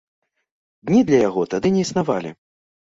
Дні для яго тады не існавалі.